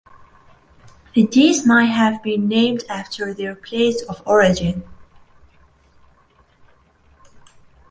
The dyes may have been named after their place of origin.